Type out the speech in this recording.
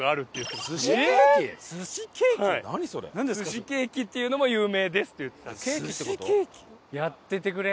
「寿司ケーキっていうのも有名です」って言ってた。